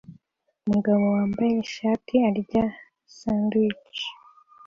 Umugabo wambaye ishati arya sandwich